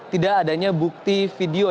tidak adanya bukti video